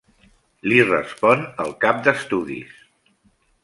Li respon el cap d’estudis.